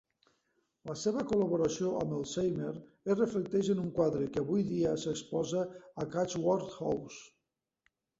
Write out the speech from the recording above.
La seva col·laboració amb Elsheimer es reflecteix en un quadre que, avui dia, s'exposa a Chatsworth House.